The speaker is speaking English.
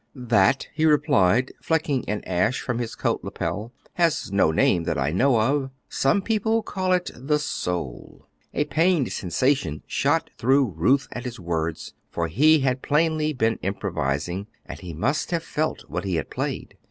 "That," he replied, flecking an ash from his coat lapel, "has no name that I know of; some people call it 'The Soul.'" A pained sensation shot through Ruth at his words, for he had plainly been improvising, and he must have felt what he had played.